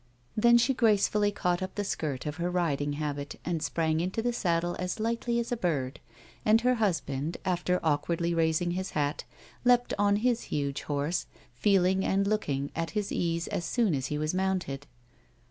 Then she gracefully caught up the skirt of her riding habit and sprang into the saddle as lightly as a bird, and her husband, after awkwardly raising his hat, leapt on to his huge horse, feeling and looking at his ease as soon as he was mounted.